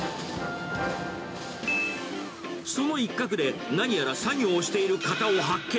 その一角で、何やら作業をしている方を発見。